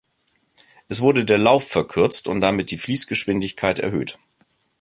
Es wurde der Lauf verkürzt und damit die Fließgeschwindigkeit erhöht.